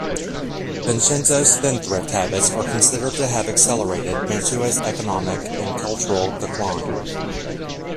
Vincenzo's spendthrift habits are considered to have accelerated Mantua's economic and cultural decline.